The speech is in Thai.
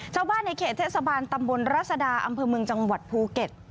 ชาวบ้านในเขตเทศบาลตำบลรัศดาอำเภอเมืองจังหวัดภูเก็ต